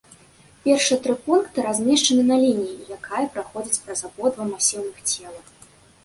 Першыя тры пункты размешчаны на лініі, якая праходзіць праз абодва масіўных цела.